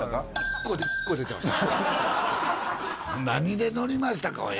「何で載りましたか？」